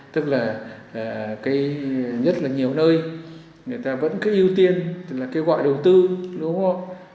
tức là cái nhất là nhiều nơi người ta vẫn cứ ưu tiên là kêu gọi đầu tư đúng không